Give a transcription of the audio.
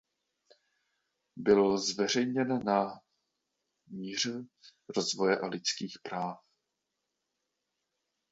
Byl zveřejněn na míře rozvoje a lidských práv.